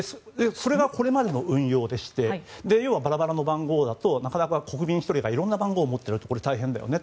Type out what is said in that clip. それがこれまでの運用でして要はバラバラの番号だと国民１人がいろんな番号を持ってると大変だよね。